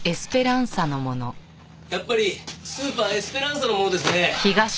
やっぱりスーパー「えすぺらんさ」のものですね。